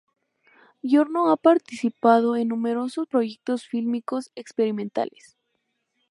Giorno ha participado en numerosos proyectos fílmicos experimentales.